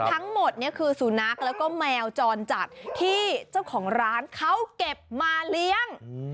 ทั้งหมดเนี่ยคือสุนัขแล้วก็แมวจรจัดที่เจ้าของร้านเขาเก็บมาเลี้ยง